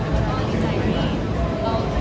เพราะว่าทุกคนโอเค